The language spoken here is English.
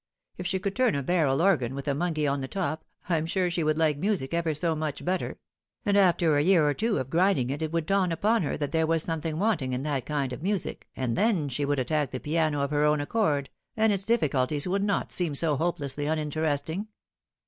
If she could turn a barrel organ, with a monkey on the top, I'm sure she would like music ever so much better ; and after a year or two of grinding it would dawn upon her that there was something wanting in that kind of mu.ic, and then she would attack the piano of her own accord, and its difficulties would not seem so hopelessly uninteresting.